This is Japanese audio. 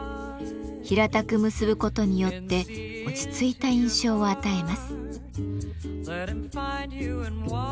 平たく結ぶことによって落ち着いた印象を与えます。